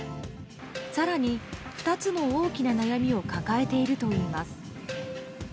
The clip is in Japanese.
更に、２つの大きな悩みを抱えているといいます。